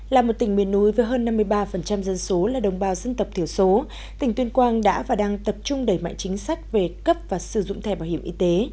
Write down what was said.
là một tỉnh miền núi với hơn năm mươi ba dân số là đồng bào dân tộc thiểu số tỉnh tuyên quang đã và đang tập trung đẩy mạnh chính sách về cấp và sử dụng thẻ bảo hiểm y tế